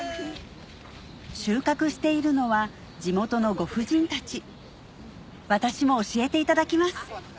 収穫しているのは地元のご婦人たち私も教えていただきます